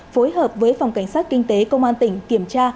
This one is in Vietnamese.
phối hợp với phòng cảnh sát kinh tế công an tỉnh kiểm tra